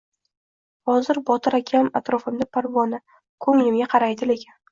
Hozir Botir akam atrofimda parvona, ko`nglimga qaraydi, lekin